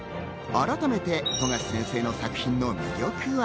改めて冨樫先生の作品な魅力は。